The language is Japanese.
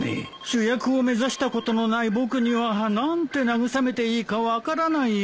主役を目指したことのない僕には何て慰めていいか分からないよ。